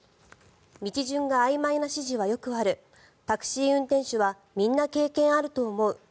道順があいまいな指示はよくあるタクシー運転手はみんな経験あると思う。